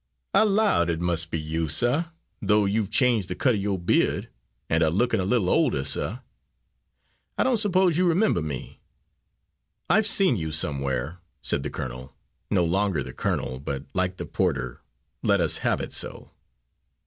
"I 'lowed it must be you, suh, though you've changed the cut of your beard, and are looking a little older, suh. I don't suppose you remember me?" "I've seen you somewhere," said the colonel no longer the colonel, but like the porter, let us have it so.